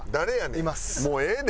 もうええで。